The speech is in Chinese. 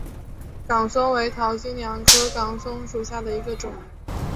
岗松为桃金娘科岗松属下的一个种。